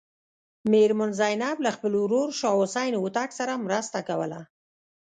میرمن زینب له خپل ورور شاه حسین هوتک سره مرسته کوله.